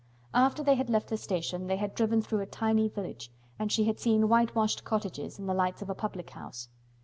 After they had left the station they had driven through a tiny village and she had seen whitewashed cottages and the lights of a public house.